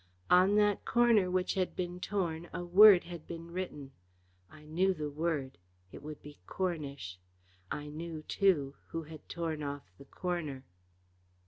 On that corner which had been torn a word had been written. I knew the word. It would be "Cornish." I knew, too, who had torn off the corner.